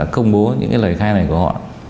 công bố những cái lời khai này của họ